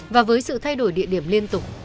và với sự thay đổi địa điểm liên tục